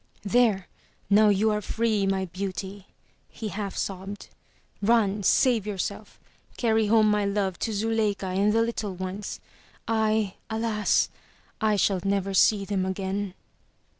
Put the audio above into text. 'There, now you are free, my beauty T' he half sobbed. "Run! Save yourself! Carry home my love to Zuleika and the little ones. I — alas ! I shall never see them again.